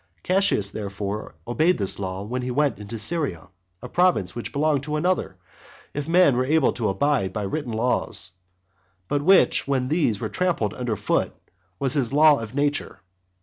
Cassius, therefore, obeyed this law when he went into Syria, a province which belonged to another, if men were to abide by the written laws, but which, when these were trampled under foot, was his by the law of nature.